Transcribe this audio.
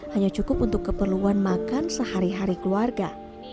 hanya cukup untuk keperluan makan sehari hari keluarga